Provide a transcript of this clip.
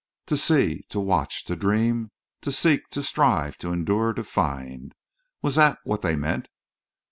To see, to watch, to dream, to seek, to strive, to endure, to find! Was that what they meant?